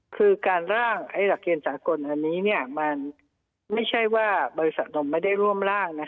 คือการร่างหลักเกณฑ์สากลอันนี้มันไม่ใช่ว่าบริษัทนมไม่ได้ร่วมร่าง